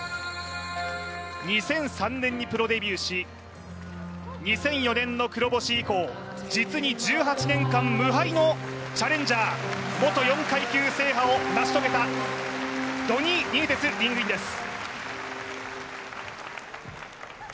２００３年にプロデビューし２００４年の黒星以降、実に１８年間無敗のチャレンジャー、元４階級制覇を成し遂げたドニー・ニエテス、リングインです。